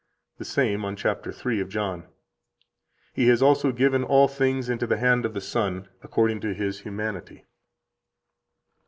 90 The same, on chap. 3 of John: "He has also given all things into the hand of the Son, according to His humanity."